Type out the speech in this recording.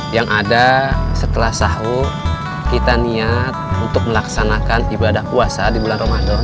yang ada setelah sahur kita niat untuk melaksanakan ibadah puasa di bulan ramadan